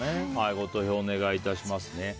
ご投票お願いしますね。